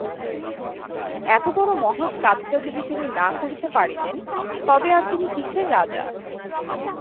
এতবড়ো মহৎ কাজটা যদি তিনি না করিতে পারিলেন তবে আর তিনি কিসের রাজা।